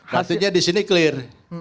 artinya di sini clear